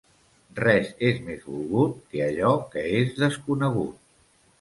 Res és més volgut que allò que és desconegut.